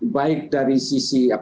baik dari sisi